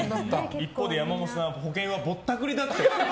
一方で山本さん保険はぼったくりだと。